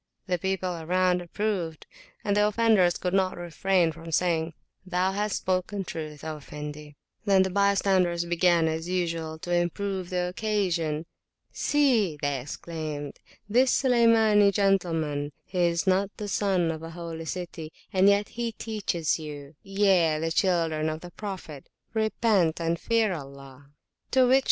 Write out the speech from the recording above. The people around approved, and the offenders could not refrain from saying, Thou hast spoken truth, O Effendi! Then the bystanders began, as usual, to improve the occasion. See, they exclaimed, this Sulaymani gentleman, he is not the Son of a Holy City, and yet he teacheth youye, the children of the Prophet!repent and fear Allah!